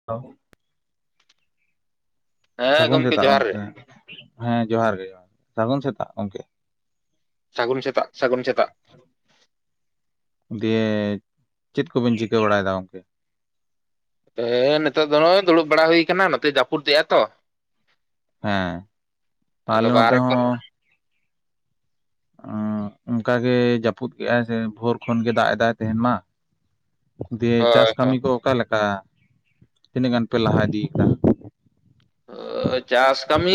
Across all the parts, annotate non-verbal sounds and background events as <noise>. <unintelligible> ᱦᱮᱸ ᱥᱟᱹᱜᱩᱱ ᱥᱮᱛᱟᱜ ᱡᱚᱦᱟᱨ ᱜᱮ ᱜᱚᱢᱠᱮ ᱦᱮᱸ ᱡᱚᱦᱟᱨ ᱜᱮ ᱥᱟᱹᱜᱩᱱ ᱥᱮᱛᱟᱜ ᱜᱚᱢᱠᱮ ᱾ ᱥᱟᱹᱜᱩᱱ ᱥᱮᱛᱟᱜ ᱥᱟᱹᱜᱩᱱ ᱥᱮᱛᱟᱜ <unintelligible> ᱫᱤᱭᱮ ᱪᱮᱫ ᱠᱚᱵᱤᱱ ᱪᱤᱠᱟᱹ ᱵᱟᱲᱟᱭᱮᱫᱟ ᱜᱚᱝᱠᱮ? ᱱᱤᱛᱚᱜ ᱫᱚ ᱱᱚᱜᱼᱚᱭ ᱫᱩᱲᱩᱵ ᱵᱟᱲᱟ ᱦᱩᱭ ᱟᱠᱟᱱᱟ ᱱᱚᱛᱮ ᱡᱟᱹᱯᱩᱫᱮᱜᱼᱟ ᱛᱚ ᱦᱮᱸ ᱟᱫᱚ ᱟᱞᱮ ᱱᱚᱛᱮ ᱵᱟᱦᱨᱮ ᱠᱚᱨᱮ ᱦᱚᱸ ᱚᱱᱠᱟᱜᱮ ᱡᱟᱹᱯᱩᱫ ᱠᱮᱫᱟᱭ ᱥᱮ ᱵᱷᱳᱨ ᱠᱷᱚᱱ ᱜᱮ ᱫᱟᱜ ᱮ ᱫᱟᱭ ᱛᱮᱦᱮᱧ ᱢᱟ ᱫᱤᱭᱮ ᱪᱟᱥ ᱦᱳᱭ ᱠᱟᱹᱢᱤ ᱠᱚ ᱚᱠᱟᱞᱮᱠᱟ ᱛᱤᱱᱟᱹᱜ ᱜᱟᱱ ᱯᱮ ᱞᱟᱦᱟ ᱤᱫᱤᱭ ᱠᱟᱫᱟ? ᱪᱟᱥ ᱠᱟᱹᱢᱤ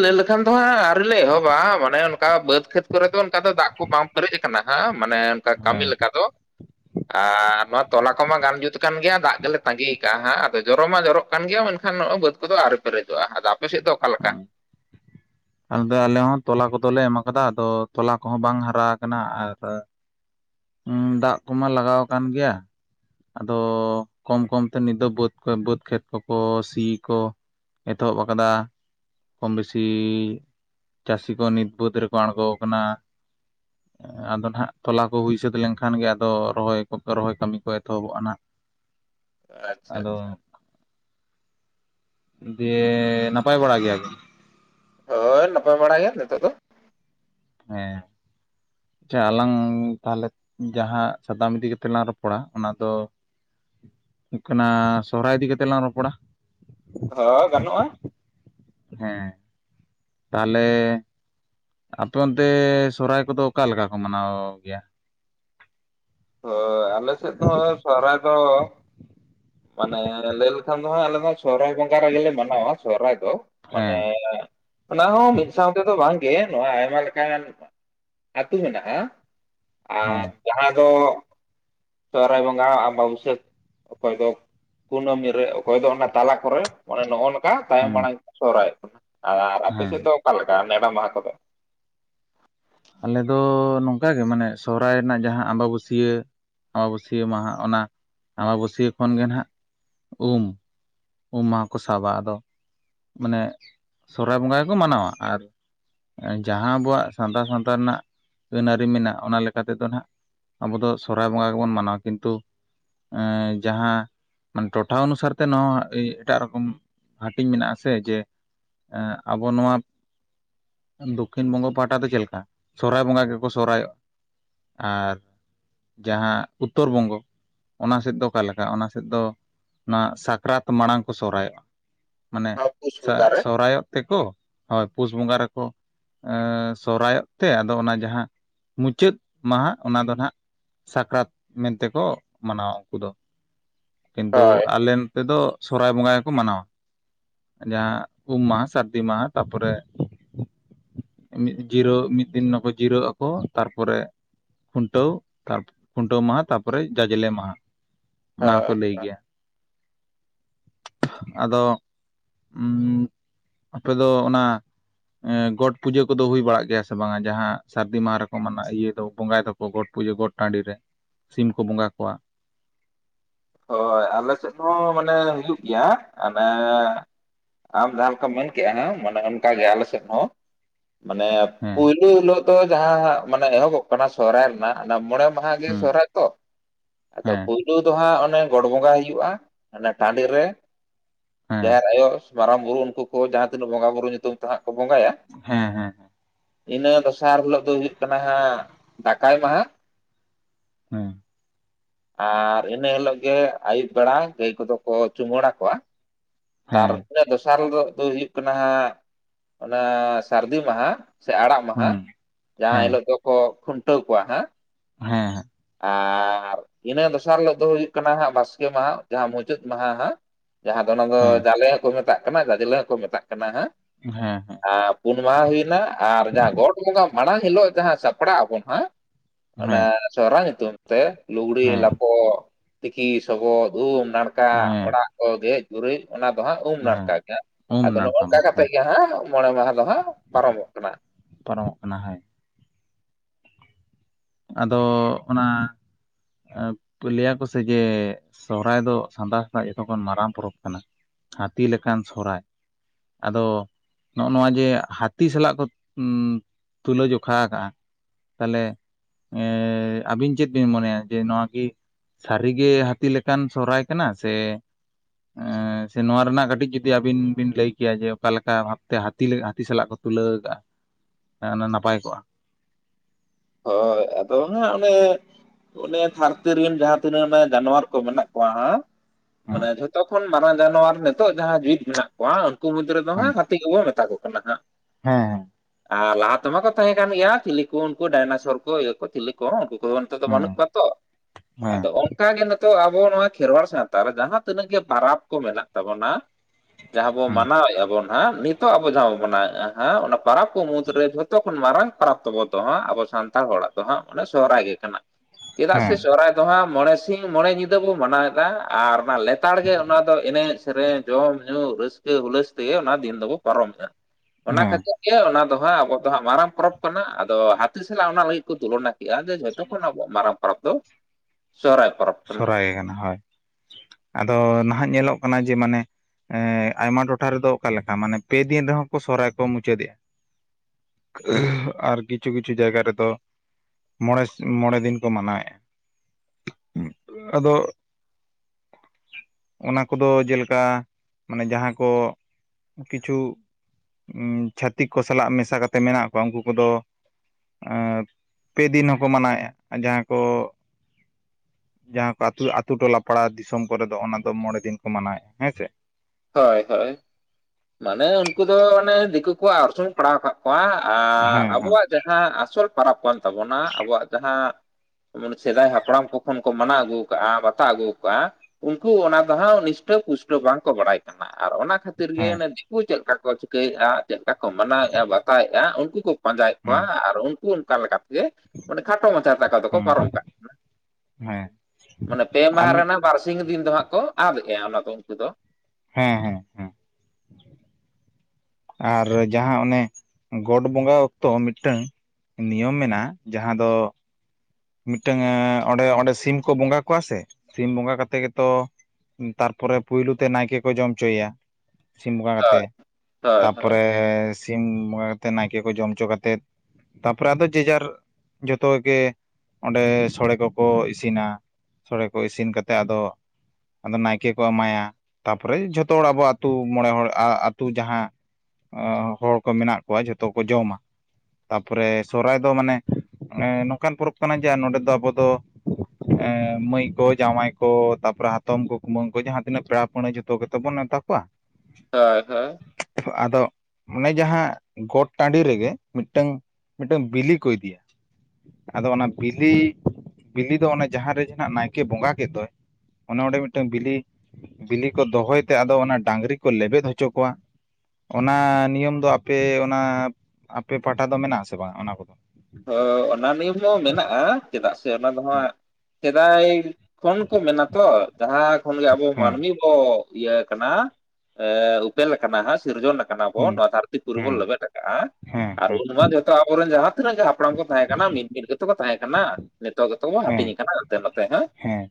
ᱞᱟᱹᱭ ᱞᱮᱠᱷᱟᱱ ᱫᱚ ᱦᱟᱸᱜ ᱟᱹᱣᱨᱤ ᱞᱮ ᱮᱦᱚᱵᱟ ᱢᱟᱱᱮ ᱚᱱᱠᱟ ᱵᱟᱹᱫᱽ ᱠᱷᱮᱛ ᱠᱚᱨᱮ ᱫᱚ ᱚᱱᱠᱟ ᱫᱚ ᱫᱟᱜ ᱠᱚ ᱵᱟᱝ ᱯᱮᱨᱮᱡ ᱟᱠᱟᱱᱟ ᱢᱟᱱᱮ ᱚᱱᱠᱟ ᱠᱟᱹᱢᱤ ᱦᱮᱸ ᱞᱮᱠᱟ ᱫᱚ ᱟᱨ ᱱᱚᱣᱟ ᱛᱚᱞᱟ ᱠᱚᱢᱟ ᱜᱟᱱ ᱡᱩᱛ ᱠᱟᱱ ᱜᱮᱭᱟ ᱫᱟᱜ ᱜᱮᱞᱮ ᱛᱟᱹᱜᱤ ᱠᱟᱜᱼᱟ ᱦᱟᱸᱜ ᱟᱫᱚ ᱡᱚᱨᱚ ᱢᱟ ᱡᱚᱨᱚ ᱠᱟᱱ ᱜᱮᱭᱟ ᱢᱮᱱᱠᱷᱟᱱ ᱱᱚᱜᱼᱚᱭ ᱵᱟᱹᱫ ᱠᱚᱫᱚ ᱟᱣᱨᱤ ᱯᱮᱨᱮᱡᱚᱜᱼᱟ ᱾ ᱟᱫᱚ ᱟᱯᱮ ᱥᱮᱫ ᱫᱚ ᱚᱠᱟᱞᱮᱠᱟ? <unintelligible> ᱟᱞᱮ ᱦᱚᱸ ᱛᱚᱞᱟ ᱠᱚᱫᱚᱞᱮ ᱮᱢ ᱠᱟᱫᱟ ᱟᱫᱚ ᱛᱚᱞᱟ ᱠᱚᱦᱚᱸ ᱵᱟᱝ ᱦᱟᱨᱟ ᱟᱠᱟᱱᱟ ᱟᱨ ᱫᱟᱜ ᱠᱚᱢᱟ ᱞᱟᱜᱟᱣ ᱟᱠᱟᱱ ᱜᱮᱭᱟ ᱟᱫᱚ ᱠᱚᱢ ᱠᱚᱢᱛᱮ ᱱᱤᱛ ᱫᱚ ᱵᱟᱹᱫᱽ ᱠᱚ ᱵᱟᱹᱫᱽ ᱠᱷᱮᱛ ᱠᱚᱠᱚ ᱥᱤᱭᱟᱠᱚ ᱮᱛᱚᱦᱚᱵ ᱟᱠᱟᱫᱟ ᱠᱚᱢ ᱵᱮᱥᱤ ᱪᱟᱹᱥᱤ ᱠᱚ ᱱᱤᱛ ᱵᱟᱹᱫᱽ ᱨᱮᱠᱚ ᱟᱬᱜᱚ ᱟᱠᱟᱱᱟ ᱟᱫᱚ ᱱᱟᱦᱟᱜ ᱛᱚᱞᱟ ᱠᱚ ᱦᱩᱭ ᱥᱟᱹᱛ ᱞᱮᱱᱠᱷᱟᱱ ᱜᱮ ᱟᱫᱚ ᱨᱚᱦᱚᱭ ᱨᱚᱦᱚᱭ ᱠᱟᱹᱢᱤ ᱠᱚ ᱮᱛᱚᱦᱚᱵᱚᱜᱼᱟ ᱱᱟᱦᱟᱜ ᱟᱪᱪᱷᱟ ᱟᱫᱚ ᱟᱪᱪᱷᱟ ᱫᱤᱭᱮ ᱱᱟᱯᱟᱭ ᱵᱟᱲᱟᱜ ᱜᱮᱭᱟᱵᱤᱱ? ᱦᱳᱭ ᱱᱟᱯᱟᱭ ᱵᱟᱲᱟ ᱜᱮ ᱱᱤᱛᱚᱜ ᱫᱚ᱾ ᱦᱮᱸ ᱟᱪᱪᱷᱟ ᱟᱞᱟᱝ ᱛᱟᱦᱚᱞᱮ ᱡᱟᱦᱟᱸ ᱥᱟᱛᱟᱢ ᱤᱫᱤ ᱠᱟᱛᱮᱜ ᱞᱟᱝ ᱨᱚᱯᱚᱲᱟ ᱚᱱᱟ ᱫᱚ ᱦᱩᱭᱩᱜ ᱠᱟᱱᱟ ᱥᱚᱦᱚᱨᱟᱭ ᱤᱫᱤ ᱠᱟᱛᱮ ᱞᱟᱝ ᱨᱚᱯᱚᱲᱟ᱾ ᱦᱚᱸ ᱜᱟᱱᱚᱜᱼᱟ᱾ ᱦᱮᱸ ᱛᱟᱦᱞᱮ ᱟᱯᱮ ᱚᱱᱛᱮ ᱥᱚᱦᱚᱨᱟᱭ ᱠᱚᱫᱚ ᱚᱠᱟ ᱞᱮᱠᱟ ᱠᱚ ᱢᱟᱱᱟᱣ ᱜᱮᱭᱟ? ᱦᱳᱭ ᱟᱞᱮ ᱥᱮᱫ ᱫᱚ ᱥᱚᱨᱦᱟᱭ ᱫᱚ ᱢᱟᱱᱮ ᱞᱟᱹᱭ ᱞᱮᱠᱷᱟᱱ ᱫᱚ ᱦᱟᱸᱜ ᱟᱞᱮ ᱫᱚ ᱥᱚᱦᱨᱟᱭ ᱵᱚᱸᱜᱟ ᱨᱮᱜᱮᱞᱮ ᱢᱟᱱᱟᱣᱟ ᱥᱚᱦᱨᱟᱭ ᱫᱚ ᱢᱟᱱᱮ ᱦᱮᱸ ᱚᱱᱟ ᱦᱚᱸ ᱢᱤᱫ ᱥᱟᱶ ᱛᱮᱫᱚ ᱵᱟᱝᱜᱮ ᱱᱚᱣᱟ ᱟᱭᱢᱟ ᱞᱮᱠᱟᱱ ᱟᱹᱛᱩ ᱢᱮᱱᱟᱜᱼᱟ ᱟᱨ ᱦᱮᱸ ᱡᱟᱦᱟᱸ ᱫᱚ ᱥᱚᱦᱚᱨᱟᱭ ᱵᱚᱸᱜᱟ ᱟᱢᱵᱟᱵᱩᱥᱤᱭᱟᱹ ᱚᱠᱚᱭ ᱫᱚ ᱠᱩᱱᱟᱹᱢᱤ ᱨᱮ ᱚᱠᱚᱭ ᱫᱚ ᱚᱱᱟ ᱛᱟᱞᱟ ᱠᱚᱨᱮ ᱢᱟᱱᱮ ᱱᱚᱜᱼᱚᱭ ᱱᱚᱝᱠᱟ ᱛᱟᱭᱚᱢ ᱦᱮᱸ ᱢᱟᱲᱟᱝ ᱠᱚ ᱥᱚᱦᱨᱟᱭᱚᱜ ᱠᱟᱱᱟ ᱟᱨ ᱟᱯᱮ ᱦᱮᱸ ᱥᱮᱫ ᱫᱚ ᱚᱠᱟᱞᱮᱠᱟ ᱱᱮᱰᱟ ᱢᱟᱦᱟ ᱠᱚᱫᱚ? ᱟᱞᱮ ᱫᱚ ᱱᱚᱝᱠᱟᱜ ᱜᱮ ᱢᱟᱱᱮ ᱥᱚᱦᱚᱨᱟᱭ ᱨᱮᱱᱟᱜ ᱡᱟᱦᱟᱸ ᱟᱢᱵᱟᱵᱟᱹᱥᱭᱟᱹ ᱟᱢᱵᱟᱵᱟᱹᱥᱭᱟᱹ ᱢᱟᱦᱟ ᱚᱱᱟ ᱟᱢᱵᱟᱵᱟᱹᱥᱭᱟᱹ ᱠᱷᱚᱱ ᱜᱮ ᱱᱟᱦᱟᱸᱜ ᱩᱢ ᱩᱢ ᱢᱟᱦᱟ ᱠᱚ ᱥᱟᱵᱟ ᱟᱫᱚ ᱢᱟᱱᱮ ᱥᱚᱦᱚᱨᱟᱭ ᱵᱚᱸᱜᱟ ᱜᱮᱠᱚ ᱢᱟᱱᱟᱣᱟ ᱟᱨ ᱡᱟᱦᱟᱸ ᱟᱵᱚᱣᱟᱜ ᱥᱟᱱᱛᱟᱲ ᱥᱟᱶᱛᱟ ᱨᱮᱱᱟᱜ ᱟᱹᱱ ᱟᱹᱨᱤ ᱢᱮᱱᱟᱜᱼᱟ ᱚᱱᱟ ᱞᱮᱠᱟ ᱛᱮᱫᱚ ᱦᱟᱸᱜ ᱟᱵᱚ ᱫᱚ ᱥᱚᱦᱨᱟᱭ ᱵᱚᱸᱜᱟ ᱜᱮᱵᱚᱱ ᱢᱟᱱᱟᱣᱟ ᱠᱤᱱᱛᱩ ᱡᱟᱦᱟᱸ ᱴᱚᱴᱷᱟ ᱚᱱᱩᱥᱟᱨ ᱛᱮ ᱱᱚᱣᱟ ᱮᱭ ᱮᱴᱟᱜ ᱨᱚᱠᱚᱢ ᱦᱟᱹᱴᱤᱧ ᱢᱮᱱᱟᱜ ᱥᱮ ᱡᱮ ᱟᱵᱚ ᱱᱚᱣᱟ ᱫᱚᱠᱷᱤᱱ ᱵᱚᱝᱜᱚ ᱯᱟᱦᱟᱴᱟ ᱫᱚ ᱪᱮᱫ ᱞᱮᱠᱟ ᱥᱚᱦᱚᱨᱟᱭ ᱵᱚᱸᱜᱟ ᱜᱮᱠᱚ ᱥᱚᱦᱨᱟᱭᱚᱜᱼᱟ ᱟᱨ ᱡᱟᱦᱟᱸ ᱩᱛᱛᱚᱨ ᱵᱚᱝᱜᱚ ᱚᱱᱟ ᱥᱮᱫ ᱫᱚ ᱚᱠᱟ ᱞᱮᱠᱟ ᱚᱱᱟ ᱥᱮᱫ ᱫᱚ ᱚᱱᱟ ᱥᱟᱠᱨᱟᱛ ᱢᱟᱲᱟᱝ ᱠᱚ ᱥᱚᱦᱨᱟᱭᱚᱜᱼᱟ ᱢᱟᱱᱮ ᱯᱩᱥ ᱵᱚᱸᱜᱟ ᱨᱮ ᱥᱚᱦᱨᱟᱭᱚᱜ ᱛᱮᱠᱚ ᱦᱳᱭ ᱯᱩᱥ ᱵᱚᱸᱜᱟ ᱨᱮᱠᱚ ᱥᱚᱨᱦᱟᱭᱚᱜ ᱛᱮ ᱟᱫᱚ ᱚᱱᱟ ᱡᱟᱦᱟᱸ ᱢᱩᱪᱟᱹᱫ ᱢᱟᱦᱟ ᱚᱱᱟ ᱫᱚ ᱱᱟᱦᱟᱜ ᱥᱟᱠᱨᱟᱛ ᱢᱮᱱᱛᱮ ᱠᱚ ᱢᱟᱱᱟᱣᱟ ᱩᱱᱠᱩ ᱫᱚ ᱠᱤᱱᱛᱩ ᱦᱳᱭ ᱟᱞᱮ ᱱᱚᱛᱮ ᱫᱚ ᱥᱚᱨᱦᱟᱭ ᱵᱚᱸᱜᱟ ᱜᱮᱠᱚ ᱢᱟᱱᱟᱣᱟ᱾ ᱡᱟᱦᱟᱸ ᱩᱢ ᱢᱟᱦᱟ, ᱥᱟᱹᱨᱫᱤ ᱢᱟᱦᱟ ᱛᱟᱯᱚᱨᱮ ᱢᱤᱫ ᱡᱤᱨᱟᱹ ᱢᱤᱫ ᱫᱤᱱ ᱢᱟᱠᱚ ᱡᱤᱨᱟᱹᱜ ᱟᱠᱚ ᱛᱟᱨᱯᱚᱨᱮ ᱠᱷᱩᱱᱴᱟᱹᱣ ᱟᱨ ᱠᱷᱩᱱᱴᱟᱹᱣ ᱢᱟᱦᱟ ᱛᱟᱨᱯᱚᱨᱮ ᱡᱟᱡᱽᱞᱮ ᱢᱟᱦᱟ ᱚᱱᱟ ᱦᱚᱸᱠᱚ ᱦᱳᱭ ᱞᱟᱹᱭ ᱜᱮᱭᱟ ᱟᱫᱚ ᱟᱯᱮ ᱫᱚ ᱚᱱᱟ ᱮᱸ ᱜᱚᱴ ᱯᱩᱡᱟᱹ ᱠᱚᱫᱚ ᱦᱩᱭ ᱵᱟᱲᱟᱜ ᱜᱮᱭᱟ ᱥᱮ ᱵᱟᱝ ᱟ ᱡᱟᱦᱟᱸ ᱥᱟᱹᱨᱫᱤ ᱢᱟᱦᱟ ᱨᱮᱠᱚ ᱢᱟᱱᱟᱣ ᱤᱭᱟᱹ ᱫᱟᱠᱚ ᱵᱚᱸᱜᱟᱭ ᱫᱟᱠᱚ, ᱜᱚᱴ ᱯᱩᱡᱟᱹ ᱜᱚᱴ ᱴᱟᱺᱰᱤ ᱨᱮ ᱥᱤᱢ ᱠᱚ ᱵᱚᱸᱜᱟ ᱠᱚᱣᱟ᱾ ᱦᱳᱭ ᱟᱞᱮ ᱥᱮᱫ ᱦᱚᱸ ᱢᱟᱱᱮ ᱦᱩᱭᱩᱜ ᱜᱮᱭᱟ ᱢᱟᱱᱮ ᱟᱢ ᱡᱟᱦᱟᱸ ᱞᱮᱠᱟᱢ ᱢᱮᱱ ᱠᱮᱜᱼᱟ ᱦᱮᱸ ᱢᱟᱱᱮ ᱚᱱᱠᱟᱜ ᱜᱮ ᱟᱞᱮ ᱥᱮᱫ ᱦᱚᱸ ᱢᱟᱱᱮ ᱦᱮᱸ ᱯᱩᱭᱞᱩ ᱦᱤᱞᱳᱜ ᱫᱚ ᱡᱟᱦᱟᱸ ᱦᱟᱸᱜ ᱢᱟᱱᱮ ᱮᱦᱚᱵᱚᱜ ᱠᱟᱱᱟ ᱥᱚᱦᱚᱨᱟᱭ ᱨᱮᱱᱟᱜ ᱟᱱᱟ ᱢᱚᱬᱮ ᱢᱟᱦᱟ ᱜᱮ ᱦᱩᱸ ᱥᱚᱨᱦᱟᱭ ᱛᱚ ᱟᱫᱚ ᱦᱮᱸ ᱯᱩᱭᱞᱩ ᱫᱚ ᱦᱟᱸᱜ ᱚᱱ ᱟ, ᱜᱚᱰ ᱵᱚᱸᱜᱟ ᱦᱩᱭᱩᱜᱼᱟ ᱚᱱᱟ ᱴᱟᱺᱰᱤ ᱨᱮ ᱦᱮᱸ ᱡᱟᱦᱮᱨ ᱟᱭᱳ ᱢᱟᱨᱟᱝ ᱵᱩᱨᱩ ᱩᱱᱠᱩ ᱠᱚ ᱡᱟᱦᱟᱸ ᱛᱤᱱᱟᱹᱜ ᱵᱚᱸᱜᱟ ᱵᱩᱨᱩ ᱧᱩᱛᱩᱢ ᱛᱮ ᱦᱟᱸᱜ ᱠᱚ ᱵᱚᱸᱜᱟᱭᱟ ᱦᱮᱸ ᱦᱮᱸ ᱤᱱᱟᱹ ᱫᱚᱥᱟᱨ ᱦᱤᱞᱳᱜ ᱫᱚ ᱦᱩᱭᱩᱜ ᱠᱟᱱᱟ ᱦᱟᱸᱜ ᱫᱟᱠᱟᱭ ᱢᱟᱦᱟ, ᱦᱮᱸ ᱟᱨ ᱤᱱᱟᱹ ᱦᱤᱞᱳᱜ ᱜᱮ ᱟᱹᱭᱩᱵ ᱵᱮᱲᱟ ᱜᱟᱹᱭ ᱠᱚᱫᱚ ᱠᱚ ᱪᱩᱢᱟᱹᱲᱟᱠᱚᱣᱟ, ᱛᱟᱨ ᱦᱮᱸ ᱯᱚᱨᱮ ᱫᱚᱥᱟᱨ ᱦᱤᱞᱳᱜ ᱫᱚ ᱦᱩᱭᱩᱜ ᱠᱟᱱᱟ ᱦᱟᱸᱜ ᱚᱱᱟ ᱥᱟᱨᱫᱤ ᱢᱟᱦᱟ, ᱥᱮ ᱟᱲᱟᱜ ᱢᱟᱦᱟ ᱦᱩᱸ ᱡᱟᱦᱟᱸ ᱦᱮᱸ ᱦᱤᱞᱳᱜ ᱫᱚᱠᱚ ᱠᱷᱩᱱᱴᱟᱹᱣ ᱠᱚᱣᱟ ᱦᱟᱸᱜ, ᱦᱮᱸ ᱦᱮᱸ ᱟᱨ ᱤᱱᱟᱹ ᱫᱚᱥᱟᱨ ᱦᱤᱞᱳᱜ ᱫᱚ ᱦᱩᱭᱩᱜ ᱠᱟᱱᱟ ᱦᱟᱸᱜ ᱵᱟᱥᱠᱮ ᱢᱟᱦᱟ ᱡᱟᱦᱟᱸ ᱢᱩᱪᱟᱹᱫ ᱢᱟᱦᱟ ᱦᱟᱸᱜ, ᱡᱟᱦᱟᱸ ᱫᱚ ᱚᱱᱟ ᱫᱚ ᱦᱮᱸ ᱡᱟᱞᱮ ᱦᱚᱸ ᱠᱚ ᱢᱮᱛᱟᱜ ᱠᱟᱱᱟ ᱡᱟᱡᱽᱞᱮ ᱦᱚᱸᱠᱚ ᱢᱮᱛᱟᱜ ᱠᱟᱱᱟ ᱦᱟᱸᱜ, ᱦᱮᱸ ᱦᱮᱸ, ᱟ ᱯᱩᱱ ᱢᱟᱦᱟ ᱦᱩᱭᱱᱟ ᱟᱨ ᱡᱟᱦᱟᱸ ᱜᱚᱴ ᱵᱚᱸᱜᱟ ᱢᱟᱲᱟᱝ ᱦᱤᱞᱳᱜ ᱡᱟᱦᱟᱸ ᱥᱟᱯᱲᱟᱜ ᱟᱵᱚᱱ ᱦᱟᱸᱜ ᱚᱱᱮ ᱥᱚᱨᱦᱟᱭ ᱧᱩᱛᱩᱢ ᱛᱮ ᱞᱩᱜᱽᱲᱤ ᱦᱮᱸ ᱞᱟᱯᱚ, ᱛᱤᱠᱤ ᱥᱚᱵᱚᱫ ᱩᱢ ᱱᱟᱲᱠᱟ ᱦᱮᱸ ᱚᱲᱟᱜ ᱠᱚ ᱜᱮᱡ ᱜᱩᱨᱤᱡ ᱚᱱᱟ ᱫᱚ ᱦᱟᱸᱜ ᱩᱢ ᱱᱟᱲᱠᱟ ᱦᱮᱸ ᱜᱮ ᱦᱟᱸᱜ ᱩᱢ ᱟᱫᱚ ᱱᱚᱜᱼᱚᱭ ᱱᱟᱲᱠᱟ ᱱᱚᱝᱠᱟ ᱢᱟᱦᱟ ᱠᱟᱛᱮᱜ ᱦᱮᱸ ᱜᱮ ᱦᱟᱸᱜ ᱢᱚᱬᱮ ᱢᱟᱦᱟ ᱫᱚ ᱦᱟᱸᱜ ᱯᱟᱨᱚᱢᱚᱜ ᱠᱟᱱᱟ, ᱯᱟᱨᱚᱢᱚᱜ ᱠᱟᱱᱟ ᱦᱳᱭ, ᱟᱫᱚ ᱚᱱᱟ ᱮᱸ ᱞᱟᱹᱭᱟ ᱠᱚ ᱥᱮ ᱡᱮ ᱥᱚᱦᱚᱨᱟᱭ ᱫᱚ ᱥᱟᱱᱛᱟᱲ ᱠᱚᱣᱟᱜ ᱡᱷᱚᱛᱚ ᱠᱷᱚᱱ ᱢᱟᱨᱟᱝ ᱯᱚᱨᱚᱵᱽ ᱠᱟᱱᱟ, ᱦᱟᱹᱛᱤ ᱞᱮᱠᱟᱱ ᱥᱚᱦᱚᱨᱟᱭ ᱟᱫᱚ ᱱᱚᱜᱼᱚᱭ ᱱᱚᱣᱟ ᱡᱮ ᱦᱟᱹᱛᱤ ᱥᱟᱞᱟᱜ ᱠᱚ ᱛᱩᱞᱟᱹ ᱡᱚᱠᱷᱟ ᱠᱟᱜᱼᱟ ᱛᱟᱦᱚᱞᱮ ᱮᱸ ᱟᱹᱵᱤᱱ ᱪᱮᱫ ᱵᱤᱱ ᱢᱚᱱᱮᱭᱟ ᱡᱮ ᱱᱚᱣᱟ ᱠᱤ ᱥᱟᱹᱨᱤᱜᱮ ᱦᱟᱹᱛᱤ ᱞᱮᱠᱟᱱ ᱥᱚᱦᱚᱨᱟᱭ ᱠᱟᱱᱟ ᱥᱮ ᱮ‌ᱸ ᱥᱮ ᱱᱚᱣᱟ ᱨᱮᱱᱟᱜ ᱠᱟᱹᱴᱤᱡ ᱡᱩᱫᱤ ᱟᱵᱤᱱ ᱵᱤᱱ ᱞᱟᱹᱭ ᱠᱮᱭᱟ ᱡᱮ ᱚᱠᱟᱞᱮᱠᱟ ᱵᱷᱟᱵᱛᱮ ᱦᱟᱹᱛᱤ ᱦᱟᱹᱛᱤ ᱞᱮ ᱦᱟᱹᱛᱤ ᱥᱟᱞᱟᱜ ᱠᱚ ᱛᱩᱞᱟᱹᱣ ᱠᱟᱜᱼᱟ ᱚᱱᱟ ᱱᱟᱯᱟᱭ ᱠᱚᱜᱼᱟ, ᱦᱳᱭ ᱟᱫᱚ ᱦᱟᱸᱜ ᱚᱱᱮ ᱚᱱᱮ ᱫᱷᱟᱹᱨᱛᱤ ᱨᱮᱱ ᱡᱟᱦᱟᱸ ᱛᱤᱱᱟᱹᱜ ᱚᱱᱮ ᱡᱟᱱᱣᱟᱨ ᱠᱚ ᱢᱮᱱᱟᱜ ᱠᱚᱣᱟ ᱦᱟᱸᱜ ᱢᱟᱱᱮ ᱦᱮᱸ ᱡᱷᱚᱛᱚ ᱠᱷᱚᱱ ᱢᱟᱨᱟᱝ ᱡᱟᱱᱣᱟᱨ ᱱᱤᱛᱚᱜ ᱡᱟᱦᱟᱸ ᱡᱤᱣᱭᱤᱛ ᱢᱮᱱᱟᱜ ᱠᱚᱣᱟ ᱩᱱᱠᱩ ᱢᱩᱫᱽ ᱨᱮᱫᱚ ᱦᱟᱸᱜ ᱦᱟᱹᱛᱤ ᱜᱮᱵᱚ ᱢᱮᱛᱟ ᱠᱚ ᱠᱟᱱᱟ ᱦᱟᱸᱜ, ᱦᱮᱸ ᱦᱮᱸ, ᱟᱨ ᱞᱟᱦᱟᱛᱮ ᱢᱟ ᱠᱚ ᱛᱟᱦᱮᱸ ᱠᱟᱱ ᱜᱮᱭᱟ ᱛᱤᱞᱤᱠᱚ ᱩᱱᱠᱩ ᱰᱟᱭᱱᱮᱥᱚᱨ ᱠᱚ ᱤᱭᱟᱹ ᱠᱚ ᱛᱤᱞᱤ ᱠᱚ ᱩᱱᱠᱩ ᱠᱚᱫᱚ ᱱᱤᱛᱚᱜ ᱫᱚ ᱵᱟᱹᱱᱩᱜ ᱠᱚᱣᱟ ᱛᱚ ᱦᱮᱸ ᱟᱫᱚ ᱚᱱ ᱚᱱᱠᱟᱜᱮ ᱱᱤᱛᱚᱜ ᱟᱵᱚ ᱱᱚᱣᱟ ᱠᱷᱮᱨᱣᱟᱲ ᱥᱟᱶᱛᱟ ᱨᱮ ᱡᱟᱦᱟᱸ ᱛᱤᱱᱟᱹᱜ ᱜᱮ ᱯᱟᱨᱟᱵᱽ ᱠᱚ ᱢᱮᱱᱟᱜ ᱛᱟᱵᱚᱱᱟ ᱡᱟᱦᱟᱸ ᱵᱚ ᱢᱟᱱᱟᱣᱮᱜ ᱟᱵᱚᱱ, ᱦᱮᱸ ᱱᱤᱛᱚᱜ ᱟᱵᱚ ᱡᱟᱦᱟᱸ ᱵᱚᱱ ᱢᱚᱱᱣᱮᱫᱼᱟ ᱦᱟᱸᱜ ᱚᱱᱟ ᱯᱟᱨᱟᱵᱽ ᱠᱚ ᱢᱩᱫᱽᱨᱮ ᱡᱷᱚᱛᱚ ᱠᱷᱚᱱ ᱢᱟᱨᱟᱝ ᱯᱟᱨᱟᱵᱽ ᱛᱟᱵᱚ ᱫᱚ ᱦᱟᱸᱜ ᱟᱵᱚ ᱥᱟᱱᱛᱟᱲ ᱦᱚᱲᱟᱜ ᱫᱚ ᱦᱟᱸᱜ ᱚᱱᱮ ᱥᱚᱦᱚᱨᱟᱭ ᱜᱮ ᱠᱟᱱᱟ ᱪᱮᱫᱟᱜ ᱥᱮ ᱦᱮᱸ ᱥᱚᱦᱚᱨᱟᱭ ᱫᱚ ᱦᱟᱸᱜ ᱢᱚᱬᱮ ᱥᱤᱧ ᱢᱚᱬᱮ ᱧᱤᱫᱟᱹ ᱵᱚᱱ ᱢᱟᱱᱟᱣᱮᱫ-ᱟ ᱟᱨ ᱚᱱᱟ ᱞᱮᱛᱟᱲ ᱜᱮ ᱚᱱᱟ ᱫᱚ ᱮᱱᱮᱡ ᱥᱮᱨᱮᱧ ᱡᱚᱢᱧ ᱧᱩ ᱨᱟᱹᱥᱠᱟᱹ ᱦᱩᱞᱟᱹᱥ ᱛᱮᱜᱮ ᱚᱱᱟ ᱫᱤᱱ ᱫᱚᱵᱚᱱ ᱯᱟᱨᱚᱢ ᱫᱟ, <inaudible> ᱚᱱᱟ ᱠᱷᱟᱹᱛᱤᱨ ᱜᱮ ᱚᱱᱟ ᱫᱚ ᱦᱟᱸᱜ ᱟᱵᱚ ᱫᱚ ᱦᱟᱸᱜ ᱢᱟᱨᱟᱝ ᱯᱚᱨᱚᱵᱽ ᱠᱟᱱᱟ ᱟᱫᱚ ᱦᱟᱹᱛᱤ ᱥᱟᱞᱟᱜ ᱚᱱᱟ ᱞᱟᱹᱜᱤᱫ ᱠᱚ ᱛᱩᱞᱚᱱᱟ ᱠᱮᱫ ᱟᱫᱚ ᱡᱷᱚᱛᱚᱠᱷᱚᱱ ᱟᱵᱚᱣᱟᱜ ᱢᱟᱨᱟᱝ ᱯᱚᱨᱚᱵᱽ ᱫᱚ ᱥᱚᱦᱚᱨᱟᱭ ᱯᱚᱨᱚᱵᱽ, ᱠᱟᱱᱟ ᱥᱚᱨᱦᱟᱭ ᱜᱮ ᱠᱟᱱᱟ ᱦᱳᱭ ᱟᱫᱚ ᱱᱟᱦᱟᱜ ᱧᱮᱞᱚᱜ ᱠᱟᱱᱟ ᱡᱮ ᱢᱟᱱᱮ ᱮᱸ ᱟᱭᱢᱟ ᱴᱚᱴᱷᱟ ᱨᱮᱫᱚ ᱚᱠᱟ ᱞᱮᱠᱟ ᱢᱟᱱᱮ ᱯᱮ ᱫᱤᱱ ᱨᱮᱦᱚᱸ ᱠᱚ ᱥᱚᱦᱚᱨᱟᱭ ᱠᱚ ᱢᱩᱪᱟᱹᱫᱮᱜᱼᱟ, <inaudible> ᱟᱨ ᱠᱤᱪᱷᱩ ᱠᱤᱪᱷᱩ ᱡᱟᱭᱜᱟ ᱨᱮᱫᱚ᱾ ᱢᱚᱬᱮ ᱥᱤᱜ ᱢᱚᱬᱮ ᱫᱤᱱ ᱠᱚ ᱢᱟᱱᱟᱣᱮᱫᱼᱟ᱾ ᱦᱩᱸ ᱟᱫᱚ ᱚᱱᱟ ᱠᱚᱫᱚ ᱡᱮᱞᱮᱠᱟ ᱢᱟᱱᱮ ᱡᱟᱦᱟᱸ ᱠᱚ, ᱠᱤᱪᱷᱩ ᱪᱷᱟᱹᱛᱤᱠ ᱠᱚ ᱥᱟᱞᱟᱜ ᱢᱮᱥᱟ ᱠᱟᱛᱮᱫ ᱢᱮᱱᱟᱜ ᱠᱚᱣᱟ ᱩᱱᱠᱩ ᱠᱚᱫᱚ ᱟᱨ ᱯᱮ ᱫᱤᱱ ᱦᱚᱸᱠᱚ ᱢᱟᱱᱟᱣᱮᱫᱼᱟ ᱟᱨ ᱡᱟᱦᱟᱸ ᱠᱚ, ᱡᱟᱦᱟᱸ ᱠᱚ ᱟᱹᱛᱩ ᱟᱛᱩ ᱴᱚᱞᱟ ᱯᱟᱲᱟ ᱫᱤᱥᱚᱢ ᱠᱚᱨᱮ ᱫᱚ ᱚᱱᱟ ᱫᱚ ᱢᱚᱬᱮ ᱫᱤᱱ ᱠᱚ ᱢᱟᱱᱟᱣᱮᱜᱼᱟ ᱦᱮᱸᱥᱮ? ᱦᱳᱭ ᱦᱳᱭ ᱢᱟᱱᱮ ᱩᱱᱠᱩ ᱫᱚ ᱚᱱᱮ ᱫᱤᱠᱩ ᱠᱚᱣᱟᱜ ᱥᱚᱝ ᱯᱟᱲᱦᱟᱣ ᱠᱟᱜ ᱚᱣᱟ ᱟᱨ ᱦᱮᱸ ᱟᱵᱚᱣᱟᱜ ᱡᱟᱦᱟᱸ ᱟᱥᱚᱞ ᱯᱟᱨᱟᱵᱽ ᱠᱟᱱ ᱛᱟᱵᱚᱱᱟ ᱟᱵᱚᱣᱟᱜ ᱡᱟᱦᱟᱸ ᱢᱟᱱᱮ ᱥᱮᱫᱟᱭ ᱦᱟᱯᱲᱟᱢ ᱠᱚ ᱠᱷᱚᱱ ᱠᱚ ᱢᱟᱱᱟᱣ ᱟᱹᱜᱩ ᱠᱟᱜᱼᱟ ᱵᱟᱛᱟᱣ ᱟᱹᱜᱩ ᱠᱟᱜᱼᱟ, ᱩᱱᱠᱩ ᱚᱱᱟ ᱫᱚ ᱦᱟᱸ ᱱᱤᱥᱴᱟᱹᱣ ᱯᱩᱥᱴᱟᱹᱣ ᱵᱟᱝᱠᱚ ᱵᱟᱲᱟᱭ ᱠᱟᱱᱟ ᱟᱨ ᱚᱱᱟ ᱠᱷᱟᱹᱛᱤᱨ ᱜᱮ ᱦᱮᱸ ᱩᱱᱠᱩ ᱪᱮᱫ ᱞᱮᱠᱟ ᱠᱚ ᱪᱤᱠᱟᱹᱭᱮᱫᱼᱟ ᱪᱮᱫ ᱞᱮᱠᱟ ᱠᱚ ᱢᱟᱱᱟᱣᱮᱫᱼᱟ ᱵᱟᱛᱟᱣᱮᱫᱼᱟ ᱩᱱᱠᱩ ᱠᱚ ᱯᱟᱸᱡᱟᱭᱮᱫ ᱠᱚᱣᱟ ᱦᱮᱸ ᱦᱮᱸ ᱟᱨ ᱩᱱᱠᱼᱼ ᱩᱱᱠᱟ ᱞᱮᱠᱟ᱾ ᱜᱮ ᱢᱟᱱᱮ ᱠᱷᱟᱴᱚ ᱢᱟᱪᱷᱟ ᱛᱟᱠᱚ ᱫᱚᱠᱚ ᱦᱮᱸ ᱯᱟᱨᱚᱢ ᱠᱟᱜ ᱠᱟᱱᱟ ᱦᱮᱸ ᱢᱟᱱᱮ ᱯᱮ ᱟᱨ ᱢᱟᱦᱟ ᱢᱤᱫ ᱨᱮᱱᱟᱝ ᱵᱟᱨᱥᱤ ᱫᱤᱱ ᱫᱚ ᱦᱟᱸᱜ ᱠᱚ ᱟᱫᱮᱜᱼᱟ ᱚᱱᱟ ᱫᱚ ᱩᱱᱠᱩ ᱫᱚ᱾ ᱦᱮᱸ ᱦᱮᱸ᱾ ᱟᱨ ᱡᱟᱦᱟᱸ ᱚᱱᱮ ᱜᱚᱰ ᱵᱚᱸᱜᱟ ᱚᱠᱛᱚ ᱢᱤᱫᱴᱟᱝ ᱱᱤᱭᱚᱢ ᱢᱮᱱᱟᱜᱼᱟ ᱡᱟᱦᱟᱸ ᱫᱚ ᱢᱤᱫᱴᱟᱝ ᱚᱸᱰᱮ ᱚᱸᱰᱮ ᱥᱤᱢ ᱠᱚ ᱵᱚᱸᱜᱟ ᱠᱚᱣᱟ ᱥᱮ ᱥᱤᱢ ᱵᱚᱸᱜᱟ ᱠᱟᱛᱮᱜ ᱜᱮᱛᱚ, ᱛᱟᱨᱯᱚᱨᱮ ᱯᱩᱭᱞᱩ ᱛᱮ ᱱᱟᱭᱠᱮ ᱠᱚ ᱡᱚᱢ ᱚᱪᱚᱭᱮᱭᱟ ᱥᱤᱢ ᱵᱚᱸᱜᱟ ᱦᱳᱭ ᱠᱟᱛᱮᱜ ᱦᱳᱭ ᱛᱟᱨᱯᱚᱨᱮ ᱥᱤᱢ ᱵᱚᱸᱜᱟ ᱠᱟᱛᱮ ᱱᱟᱭᱠᱮ ᱠᱚ ᱡᱚᱢᱪᱚ ᱠᱟᱛᱮᱜ, ᱛᱟᱯᱚᱨᱮ ᱟᱫᱚ ᱡᱮᱡᱟᱨ ᱡᱚᱛᱚ ᱜᱮ ᱚᱸᱰᱮ ᱥᱚᱲᱮ ᱠᱚᱠᱚ ᱤᱥᱤᱱᱟ, ᱥᱚᱲᱮ ᱠᱚ ᱤᱥᱤᱱ ᱠᱟᱛᱮᱫ ᱟᱫᱚ ᱟᱫᱚ ᱱᱟᱭᱠᱮ ᱠᱚ ᱮᱢᱟᱭᱟ ᱛᱟᱯᱚᱨᱮ ᱡᱷᱚᱛᱚ ᱦᱚᱲ ᱟᱵᱚ ᱟᱛᱩ ᱢᱚᱬᱮ ᱦᱚᱲ ᱟ ᱟᱛᱩ ᱡᱟᱦᱟᱸ ᱚ ᱦᱚᱲ ᱠᱚ ᱢᱮᱱᱟᱜ ᱠᱚᱣᱟ ᱡᱷᱚᱛᱚ ᱠᱚ ᱡᱚᱢᱟᱹ᱾ ᱛᱟᱨᱯᱚᱨᱮ ᱥᱚᱦᱨᱟᱭ ᱫᱚ ᱢᱟᱱᱮ ᱱᱚᱝᱠᱟᱱ ᱯᱚᱨᱚᱵᱽ ᱠᱟᱱᱟ ᱡᱮ ᱱᱚᱸᱰᱮ ᱫᱚ ᱟᱵᱚ ᱫᱚ ᱢᱟᱹᱭ ᱠᱚ ᱡᱟᱶᱟᱭ ᱠᱚ ᱛᱟᱯᱚᱨᱮ ᱦᱟᱛᱚᱢ ᱠᱚ ᱠᱩᱢᱟᱹᱝ ᱠᱚ ᱡᱟᱦᱟᱸᱛᱤᱱᱟᱹᱜ ᱯᱮᱲᱟ ᱯᱟᱺᱬᱟᱹ ᱡᱚᱛᱚ ᱜᱮ ᱛᱚ ᱵᱚᱱ ᱱᱮᱣᱛᱟ ᱠᱚᱣᱟ᱾ <inaudible> ᱦᱳᱭ ᱦᱳᱭ᱾ ᱟᱫᱚ, ᱚᱱᱮ ᱡᱟᱦᱟᱸ ᱜᱚᱴ ᱴᱟᱺᱰᱤ ᱨᱮᱜᱮ ᱢᱤᱫᱴᱟᱹᱝ, ᱢᱤᱫᱴᱟᱹᱝ ᱵᱤᱞᱤ ᱠᱚ ᱤᱫᱤᱭᱟ᱾ ᱟᱫᱚ ᱚᱱᱟ ᱵᱤᱞᱤ, ᱵᱤᱞᱤ ᱫᱚ ᱚᱱᱮ ᱡᱟᱦᱟᱸ ᱨᱮᱜᱮ ᱱᱟᱜ ᱱᱟᱭᱠᱮ ᱵᱚᱸᱜᱟ ᱠᱮᱫ ᱫᱚᱭ ᱚᱱᱮ ᱚᱸᱰᱮ ᱢᱤᱫᱴᱮᱝ ᱵᱤᱞᱤ, ᱵᱤᱞᱤ ᱠᱚ ᱫᱚᱦᱚᱭ ᱛᱮ ᱟᱫᱚ ᱚᱱᱟ ᱰᱟᱝᱨᱤ ᱠᱚ ᱞᱮᱵᱮᱫ ᱦᱚᱪᱚ ᱠᱚᱣᱟ᱾ ᱚᱱᱟ ᱱᱤᱭᱚᱢ ᱫᱚ ᱟᱯᱮ ᱚᱱᱟ ᱟᱯᱮ ᱯᱟᱦᱴᱟ ᱫᱚ ᱢᱮᱱᱟᱜ ᱟᱥᱮ ᱵᱟᱝ ᱚᱱᱟ ᱠᱚᱫᱚ? ᱦᱚ ᱚᱱᱟ ᱱᱤᱭᱚᱢ ᱦᱚᱸ ᱢᱮᱱᱟᱜᱼᱟ ᱪᱮᱫᱟᱜ ᱥᱮ ᱚᱱᱟ ᱫᱚ ᱦᱟᱸᱜ ᱥᱮᱫᱟᱭ ᱠᱷᱚᱱ ᱠᱚ ᱢᱮᱱᱟ ᱛᱚ ᱡᱟᱦᱟᱸ ᱠᱷᱚᱱ ᱜᱮ ᱟᱵᱚ ᱦᱮᱸ ᱢᱟᱹᱱᱢᱤ, ᱠᱚ ᱤᱭᱟᱹ ᱟᱠᱟᱱᱟ ᱮ ᱩᱯᱮᱞ ᱟᱠᱟᱱᱟ ᱦᱟᱜ ᱥᱤᱨᱡᱚᱱ ᱟᱠᱟᱱᱟ ᱠᱟᱱᱟ ᱵᱚᱱ ᱦᱮᱸ ᱱᱚᱣᱟ ᱫᱷᱟᱨᱛᱤ ᱯᱩᱨᱤ ᱵᱚᱱ ᱦᱮᱸ ᱞᱮᱵᱮᱫ ᱟᱠᱟᱜᱼᱟ, ᱦᱮᱸ ᱟᱨ ᱦᱮᱸ ᱩᱱ ᱢᱟ ᱡᱚᱛᱚ ᱟᱵᱚᱨᱮᱱ ᱡᱟᱦᱟᱸᱼᱼ ᱛᱤᱱᱟᱹᱜ ᱜᱮ ᱦᱟᱯᱲᱟᱢ ᱠᱚ ᱛᱟᱦᱮᱸ ᱠᱟᱱᱟ ᱢᱤᱫ ᱢᱤᱫ ᱜᱮᱛᱚ ᱠᱚ ᱛᱟᱦᱮᱸ ᱠᱟᱱᱟ ᱱᱤᱛᱚᱜ ᱜᱮᱛᱚ ᱵᱚ ᱦᱟᱹᱴᱤᱧ ᱦᱮᱸ ᱟᱠᱟᱱᱟ ᱦᱚᱱᱛᱮ ᱱᱚᱛᱮ ᱦᱟᱜ᱾ ᱦᱮᱸ ᱦᱮᱸ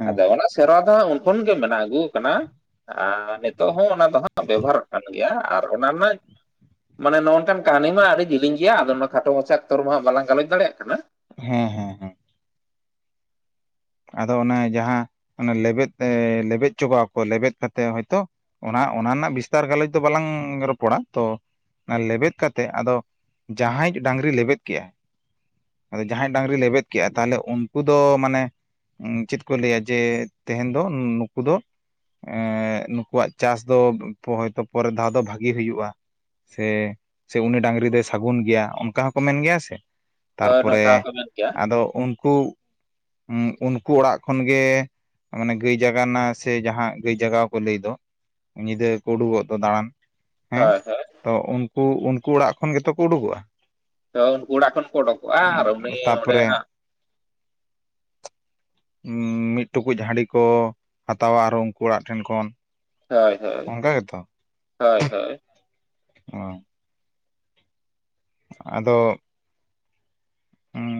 ᱦᱮᱸ ᱟᱫᱚ ᱚᱱᱟ ᱥᱮᱨᱣᱟ ᱫᱚ ᱦᱟᱸᱜ ᱩᱱ ᱠᱷᱚᱱ ᱜᱮ ᱢᱮᱱᱟᱜ ᱟᱹᱜᱩ ᱟᱠᱟᱱᱟ᱾ ᱟᱨ ᱱᱤᱛᱚᱜ ᱦᱚᱸ ᱚᱱᱟ ᱫᱚ ᱦᱟᱸᱜ ᱵᱮᱵᱚᱦᱟᱨᱚᱜ ᱠᱟᱱ ᱜᱮᱭᱟ ᱟᱨ ᱚᱱᱟ ᱨᱮᱱᱟᱜ ᱢᱟᱱᱮ ᱱᱚᱜ-ᱚ ᱱᱚᱝᱠᱟᱱ ᱠᱟᱹᱦᱱᱤ ᱢᱟ ᱟᱹᱰᱤ ᱡᱤᱞᱤᱧ ᱜᱮᱭᱟ ᱟᱫᱚ ᱚᱱᱟ ᱠᱷᱟᱴᱚ ᱢᱟᱪᱷᱟ ᱚᱠᱛᱚ ᱨᱮᱢᱟ ᱵᱟᱞᱟᱝ ᱜᱟᱞᱚᱪ ᱫᱟᱲᱮᱭᱟᱜ ᱠᱟᱱᱟ᱾ ᱦᱮᱸ ᱦᱮᱸ ᱦᱮᱸ᱾ ᱟᱫᱚ ᱚᱱᱮ ᱡᱟᱦᱟᱸ ᱚᱱᱮ ᱞᱮᱵᱮᱫ ᱮ ᱞᱮᱵᱮᱫ ᱦᱚᱪᱚ ᱠᱚᱣᱟ ᱠᱚ ᱞᱮᱵᱮᱫ ᱠᱟᱛᱮ ᱦᱚᱭᱛᱳ ᱚᱱᱟ ᱚᱱᱟ ᱨᱮᱱᱟᱜ ᱵᱤᱥᱛᱟᱨ ᱜᱟᱞᱚᱪ ᱫᱚ ᱵᱟᱞᱟᱝ ᱨᱚᱯᱚᱲᱟ ᱛᱚ ᱚᱱᱟ ᱞᱮᱵᱮᱫ ᱠᱟᱛᱮᱫ ᱟᱫᱚ ᱡᱟᱦᱟᱸᱭᱤᱡ ᱰᱟᱝᱨᱤ ᱞᱮᱵᱮᱫ ᱠᱮᱜᱼᱟ᱾ ᱟᱫᱚ ᱡᱟᱦᱟᱸᱭ ᱰᱟᱝᱨᱤ ᱞᱮᱵᱮᱫ ᱠᱮᱜᱟ ᱛᱟᱦᱚᱞᱮ ᱩᱱᱠᱩ ᱫᱚ ᱢᱟᱱᱮ ᱪᱮᱫ ᱠᱚ ᱞᱟᱹᱭᱟ ᱡᱮ ᱛᱮᱦᱮᱧ ᱫᱚ ᱱᱩᱠᱩ ᱫᱚ ᱮᱸ ᱱᱩᱠᱩᱣᱟᱜ ᱪᱟᱥ ᱫᱚ ᱦᱚᱭᱛᱚ ᱯᱚᱨᱮᱨ ᱫᱷᱟᱣ ᱫᱚ ᱵᱷᱟᱹᱜᱤ ᱦᱩᱭᱩᱜᱼᱟ ᱥᱮ ᱥᱮ ᱩᱱᱤ ᱰᱟᱺᱝᱨᱤ ᱫᱚᱭ ᱥᱟᱹᱜᱩᱱ ᱜᱮᱭᱟ ᱚᱱᱠᱟ ᱦᱚᱸᱠᱚ ᱢᱮᱱ ᱜᱮᱭᱟ ᱥᱮ ᱛᱟᱨ ᱦᱳᱭ ᱯᱚᱨᱮ ᱱᱚᱝᱠᱟ ᱦᱚᱸᱠᱚ ᱢᱮᱱ ᱜᱮᱭᱟ ᱟᱫᱚ ᱩᱱᱠᱩ ᱩᱱᱠᱩ ᱚᱲᱟᱜ ᱠᱷᱚᱱ ᱜᱮ ᱢᱟᱱᱮ ᱜᱟᱹᱭ ᱡᱟᱜᱟᱣ ᱨᱮᱱᱟᱜ ᱥᱮ ᱡᱟᱦᱟᱸ ᱜᱟᱹᱭ ᱡᱟᱜᱟᱣ ᱠᱚ ᱞᱟᱹᱭ ᱫᱚ ᱧᱤᱫᱟᱹ ᱠᱚ ᱩᱰᱩᱠᱚᱜ ᱫᱚ ᱫᱟᱬᱟᱱ ᱦᱮᱸ ᱦᱳᱭ ᱦᱳᱭ ᱛᱚ ᱩᱱᱠᱩ ᱩᱱᱠᱩ ᱚᱲᱟᱜ ᱠᱷᱚᱱ ᱜᱮᱛᱚ ᱠᱚ ᱩᱰᱩᱠᱚᱜᱼᱟ ᱛᱚ ᱚᱲᱟᱜ ᱠᱷᱚᱱ ᱠᱚ ᱩᱰᱩᱠᱚᱜᱟ ᱛᱟ ᱯᱚᱨᱮ ᱢᱤᱫ ᱴᱩᱠᱩᱡ ᱦᱟᱺᱰᱤ ᱠᱚ ᱦᱟᱛᱟᱣᱟ ᱟᱨ ᱩᱱᱠᱩ ᱚᱲᱟᱜ ᱴᱷᱮᱱ ᱠᱷᱚᱱ ᱦᱳᱭ ᱦᱳᱭ ᱚᱱᱠᱟ ᱜᱮᱛᱚ ᱦᱳᱭ ᱦᱳᱭ ᱚ ᱟᱫᱚ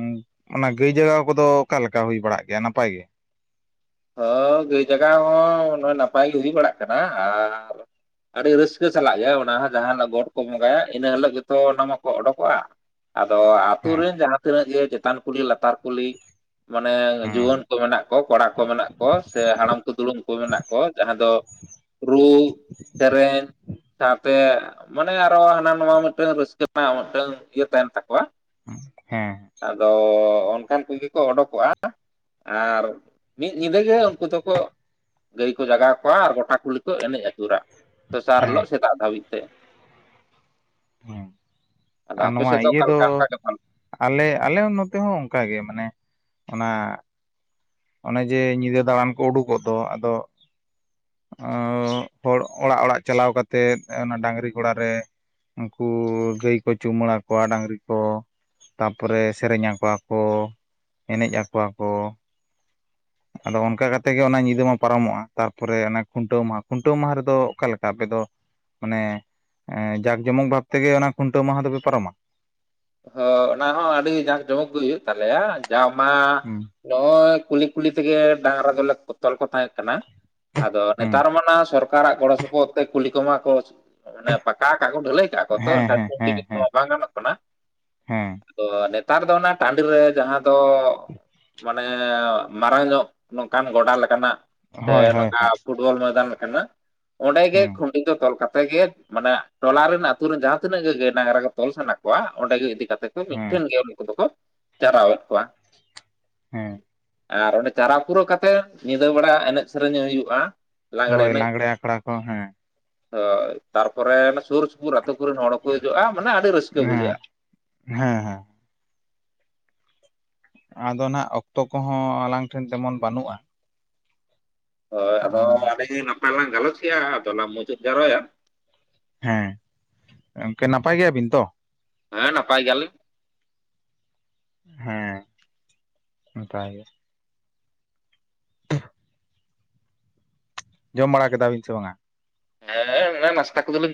<inaudible> ᱚᱱᱟ ᱜᱟᱹᱭ ᱡᱟᱜᱟᱣ ᱠᱚᱫᱚ ᱚᱠᱟᱞᱮᱠᱟ ᱦᱩᱭ ᱵᱟᱲᱟᱜ ᱜᱮᱭᱟ ᱱᱟᱯᱟᱭ ᱜᱮ? ᱦᱚ ᱜᱟᱹᱭ ᱡᱟᱜᱟᱣ ᱦᱚᱸ ᱱᱚᱜᱼᱚᱭ ᱱᱟᱯᱟᱭ ᱜᱮ ᱦᱩᱭ ᱵᱟᱲᱟᱜ ᱠᱟᱱᱟ ᱟᱨ ᱟᱹᱰᱤ ᱨᱟᱹᱥᱠᱟᱹ ᱥᱟᱞᱟᱜ ᱜᱮ ᱚᱱᱟ ᱦᱚᱸ ᱡᱟᱦᱟᱱ ᱜᱚᱴ ᱠᱚ ᱵᱚᱸᱜᱟᱭᱟ ᱤᱱᱟᱹ ᱦᱤᱞᱳᱜ ᱜᱮᱛᱚ ᱚᱱᱟ ᱢᱟᱠᱚ ᱚᱰᱳᱠᱚᱜᱼᱟ᱾ ᱟᱫᱚ ᱟᱛᱩ ᱦᱮᱸ ᱨᱮᱱ ᱡᱟᱦᱟᱸ ᱛᱤᱱᱟᱹᱜ ᱜᱮ ᱪᱮᱛᱟᱱ ᱠᱩᱞᱦᱤ ᱞᱟᱛᱟᱨ ᱠᱩᱞᱦᱤ ᱢᱟᱱᱮ ᱡᱩᱣᱟᱹᱱ ᱦᱮᱸ ᱠᱚ ᱢᱮᱱᱟᱜ ᱠᱚᱲᱟ ᱠᱚ ᱢᱮᱱᱟᱜ ᱠᱚᱣᱟ ᱥᱮ ᱦᱟᱲᱟᱢ ᱠᱚ ᱫᱩᱲᱩᱢ ᱠᱚ ᱢᱮᱱᱟᱜ ᱠᱚᱣᱟ ᱡᱟᱦᱟᱸ ᱫᱚ ᱨᱩ ᱥᱮᱨᱮᱱ ᱥᱟᱶᱛᱮ ᱢᱟᱱᱮ ᱟᱨᱚ ᱦᱟᱱᱟ ᱱᱟᱣᱟ ᱢᱤᱫᱴᱟᱝ ᱨᱟᱹᱥᱠᱟᱹ ᱨᱮᱱᱟᱜ ᱢᱤᱫᱴᱟᱝ ᱤᱭᱟᱹ ᱛᱟᱦᱮᱱ ᱛᱟᱠᱚᱣᱟ ᱦᱮᱸ ᱟᱫᱚ ᱚᱱᱠᱟᱱ ᱠᱚᱜᱮ ᱠᱚ ᱚᱰᱳᱠᱚᱜᱼᱟ ᱟᱨ ᱢᱤᱫ ᱧᱤᱫᱟᱹ ᱜᱮ ᱩᱱᱠᱩ ᱫᱚᱠᱚ ᱜᱟᱹᱭ ᱠᱚ ᱡᱟᱜᱟᱣ ᱠᱚᱣᱟ ᱟᱨ ᱜᱚᱴᱟ ᱠᱩᱞᱦᱤ ᱠᱚ ᱮᱱᱮᱡ ᱟᱹᱪᱩᱨᱟ ᱾ ᱫᱚᱥᱟᱨ ᱦᱤᱞᱳᱜ ᱦᱮᱸ ᱥᱮᱛᱟᱜ ᱫᱷᱟᱹᱵᱤᱡ ᱛᱮ ᱾ ᱦᱮᱸ ᱟᱫᱚ ᱟᱨ ᱟᱯᱮ ᱱᱚᱣᱟ ᱥᱮᱫ ᱤᱭᱟᱹ ᱚᱠᱟ ᱫᱚ ᱞᱮᱠᱟ ᱚᱱᱠᱟ ᱜᱮ ᱦᱳᱭ ᱟᱞᱮ ᱟᱞᱮ ᱦᱚᱸ ᱱᱚᱛᱮ ᱦᱚᱸ ᱚᱱᱠᱟᱜᱮ ᱢᱟᱱᱮ ᱚᱱᱟ ᱚᱱᱮ ᱡᱮ ᱧᱤᱫᱟᱹ ᱫᱟᱬᱟᱱ ᱠᱚ ᱩᱰᱩᱠᱚᱜ ᱫᱚ ᱟᱫᱚ ᱦᱚᱲ ᱚᱲᱟᱜ ᱚᱲᱟᱜ ᱪᱟᱞᱟᱣ ᱠᱟ ᱠᱟᱛᱮᱫ ᱚᱱᱟ ᱰᱟᱺᱝᱨᱤ ᱜᱚᱲᱟ ᱨᱮ ᱩᱱᱠᱩ ᱜᱟᱹᱭ ᱠᱚ ᱪᱩᱢᱵᱟᱹᱲᱟ ᱠᱚᱣᱟ ᱰᱟᱺᱝᱨᱤ ᱠᱚ ᱾ ᱛᱟᱨᱯᱚᱨᱮ ᱥᱮᱨᱮᱧ ᱟᱠᱚᱣᱟ ᱠᱚ ᱮᱱᱮᱡ ᱟᱠᱚᱣᱟ ᱠᱚ ᱾ ᱟᱫᱚ ᱚᱱᱠᱟ ᱠᱟᱛᱮ ᱜᱮ ᱚᱱᱟ ᱧᱤᱫᱟᱹ ᱢᱟ ᱯᱟᱨᱚᱢᱚᱜᱼᱟ ᱛᱟᱨᱯᱚᱨᱮ ᱚᱱᱟ ᱠᱷᱩᱱᱴᱟᱹᱣ ᱢᱟᱦᱟ ᱠᱷᱩᱱᱴᱟᱹᱣ ᱢᱟᱦᱟ ᱨᱮᱫᱚ ᱚᱠᱟ ᱞᱮᱠᱟ ᱟᱯᱮ ᱫᱚ? ᱢᱟᱱᱮ ᱡᱟᱠ ᱡᱚᱢᱚᱠ ᱵᱷᱟᱵ ᱛᱮᱜᱮ ᱚᱱᱟ ᱠᱷᱩᱱᱴᱟᱹᱣ ᱢᱟᱦᱟ ᱫᱚᱯᱮ ᱯᱟᱨᱚᱢᱟ? ᱚ ᱚᱱᱟ ᱦᱚᱸ ᱟᱹᱰᱤ ᱡᱟᱠ ᱡᱚᱢᱚᱠ ᱜᱮ ᱦᱩᱭᱩᱜ ᱛᱟᱞᱮᱭᱟ ᱡᱟᱣᱟ ᱚᱱᱟ ᱦᱩᱸ ᱾ ᱱᱚᱜᱼᱚᱭ ᱠᱩᱞᱤ ᱠᱩᱞᱤ ᱛᱮᱜᱮ ᱰᱟᱺᱝᱨᱟ ᱫᱚᱞᱮ ᱛᱚᱞ ᱠᱚ ᱛᱟᱦᱮᱸ ᱠᱟᱱᱟ ᱾ ᱟᱫᱚ ᱦᱩᱸ ᱱᱮᱛᱟᱨ ᱢᱟ ᱥᱚᱨᱠᱟᱨᱟᱜ ᱜᱚᱲ ᱥᱚᱯᱚᱦᱚᱫ ᱛᱮ ᱠᱩᱞᱤ ᱠᱚᱢᱟ ᱠᱚ ᱢᱟᱱᱮ ᱯᱟᱠᱟ ᱠᱟᱜᱼᱟ ᱠᱚ ᱰᱷᱟᱹᱞᱟᱹᱭ ᱠᱟᱜᱼᱟ ᱠᱚ ᱛᱚ ᱦᱮᱸ ᱦᱮᱸ ᱦᱮᱸ ᱟᱠᱩᱛᱤᱜᱮ ᱦᱮᱸ ᱵᱟᱝ ᱜᱟᱱᱚᱜ ᱠᱟᱱᱟ ᱾ ᱦᱮᱸ ᱫᱚ ᱱᱮᱛᱟᱨ ᱫᱚ ᱚᱱᱟ ᱴᱟᱺᱰᱤ ᱨᱮ ᱡᱟᱦᱟᱸ ᱫᱚ ᱢᱟᱱᱮ ᱢᱟᱨᱟᱝ ᱧᱚᱜ ᱱᱚᱝᱠᱟᱱ ᱜᱚᱰᱟ ᱞᱮᱠᱟᱱᱟᱜ ᱥᱮ ᱦᱳᱭ ᱦᱳᱭ ᱱᱚᱝᱠᱟ ᱦᱳᱭ ᱯᱷᱩᱴᱵᱚᱞ ᱢᱚᱭᱫᱟᱱ ᱞᱮᱠᱟᱱᱟᱜ ᱚᱸᱰᱮ ᱜᱮ ᱦᱮᱸ ᱠᱷᱩᱱᱴᱤ ᱫᱚ ᱛᱚᱞ ᱠᱟᱛᱮ ᱜᱮ ᱢᱟᱱᱮ ᱛᱚ ᱚᱱᱟ ᱨᱮᱱ ᱡᱟᱦᱟᱸ ᱛᱤᱱᱟᱹᱜ ᱜᱮ ᱜᱟᱹᱭ ᱰᱟᱺᱝᱨᱟ ᱠᱚ ᱛᱚᱞ ᱥᱟᱱᱟ ᱠᱚᱣᱟ ᱚᱸᱰᱮ ᱜᱮ ᱤᱫᱤ ᱠᱟᱛᱮ ᱠᱚ ᱦᱮᱸ ᱢᱤᱫᱴᱷᱮᱱ ᱜᱮ ᱾ ᱩᱱᱠᱩ ᱠᱚ ᱡᱟᱨᱣᱮᱫ ᱠᱚᱣᱟ ᱾ ᱦᱮᱸ ᱟᱨ ᱚᱸᱰᱮ ᱡᱟᱨᱟ ᱯᱩᱨᱟᱹᱣ ᱠᱟᱛᱮ ᱧᱤᱫᱟᱹ ᱵᱮᱲᱟ ᱮᱱᱮᱡ ᱥᱮᱨᱮᱧ ᱦᱩᱭᱩᱜᱼᱟ ᱾ ᱦᱳᱭ ᱞᱟᱜᱽᱲᱮ ᱟᱠᱷᱟᱲᱟ ᱠᱚ ᱦᱮᱸ ᱾ ᱛᱟᱨᱯᱚᱨᱮ ᱥᱩᱨ ᱥᱩᱯᱩᱨ ᱟᱹᱛᱳ ᱠᱚᱨᱮᱱ ᱦᱚᱲ ᱦᱚᱸᱠᱚ ᱦᱤᱡᱩᱜᱼᱟ ᱢᱟᱱᱮ ᱟᱹᱰᱤ ᱨᱟᱹᱥᱠᱟᱹ ᱦᱮᱸ ᱵᱩᱡᱷᱟᱜᱼᱟ ᱾ ᱦᱮᱸ ᱦᱮᱸ ᱟᱫᱚ ᱱᱟᱦᱟᱸᱜ ᱚᱠᱛᱚ ᱠᱚᱦᱚᱸ ᱟᱞᱟᱝ ᱴᱷᱮᱱ ᱛᱮᱢᱚᱱ ᱵᱟᱹᱱᱩᱜᱼᱟ ᱾ ᱦᱳᱭ ᱟᱫᱚ ᱱᱚᱭ ᱱᱚᱰᱤ ᱱᱟᱯᱟᱭᱞᱟᱝ ᱜᱟᱞᱚᱪ ᱜᱮᱭᱟ ᱟᱫᱚᱞᱟᱝ ᱢᱩᱪᱩᱫ ᱡᱟᱣᱨᱚᱭᱟ ᱾ ᱦᱮᱸ ᱜᱚᱝᱠᱮ ᱱᱟᱯᱟᱭ ᱜᱮᱭᱟ ᱵᱤᱱ ᱛᱚ? ᱦᱮᱸ ᱱᱟᱯᱟᱭ ᱜᱮᱭᱟ ᱞᱤᱧ ᱾ ᱦᱮᱸ ᱱᱟᱯᱟᱭ ᱜᱮ ᱡᱚᱢ ᱵᱟᱲᱟ ᱠᱮᱫᱟᱵᱤᱱ ᱥᱮ ᱵᱟᱝᱜᱟ? ᱦᱮᱸ ᱚᱱᱮ ᱱᱟᱥᱛᱟ ᱠᱚᱫᱚ ᱞᱮ ᱾